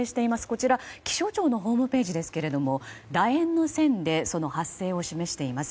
こちら、気象庁のホームページですけども楕円の線でその発生を示しています。